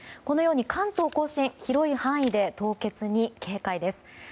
このように関東・甲信広い範囲で凍結に警戒です。